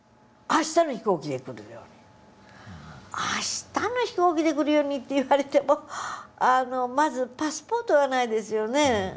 あしたの飛行機で来るようにって言われてもまずパスポートがないですよね。